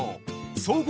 総合